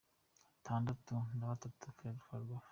itandatu na bitatu Frw.